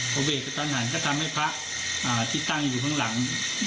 พอเบรกกระทันหันก็ทำให้พระที่ตั้งอยู่ข้างหลัง